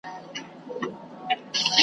درواغجن حافظه نلري